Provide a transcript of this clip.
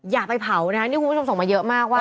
อย่าไปเผานะคะนี่คุณผู้ชมส่งมาเยอะมากว่า